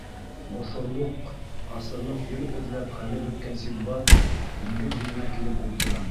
Боҫорлоҡ, ҡасырлыҡ ер эҙләп хәле бөткән Синдбад диңгеҙ буйына килеп ултыра.